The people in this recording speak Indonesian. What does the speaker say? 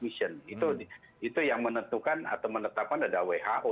itu yang menentukan atau menetapkan ada who